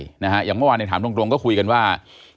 อย่างเมื่อวานถามตรงก็คุยกันว่า